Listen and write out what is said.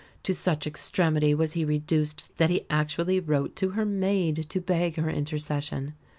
To such extremity was he reduced that he actually wrote to her maid to beg her intercession.